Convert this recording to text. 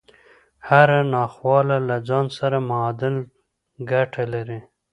هره ناخواله له ځان سره معادل ګټه لري